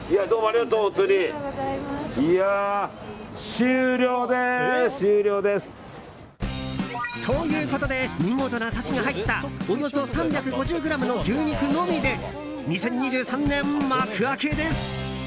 終了です！ということで見事なサシが入ったおよそ３５０ｇの牛肉のみで２０２３年幕開けです。